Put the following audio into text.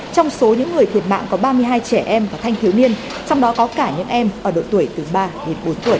trong số những người thiệt mạng có ba mươi hai trẻ em và thanh thiếu niên trong đó có cả những em ở độ tuổi từ ba đến bốn tuổi